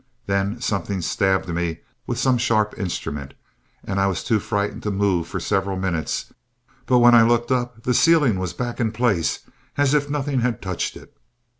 Then something stabbed me with some sharp instrument. I was too frightened to move for several minutes, but when I looked up the ceiling was back in place as if nothing had touched it.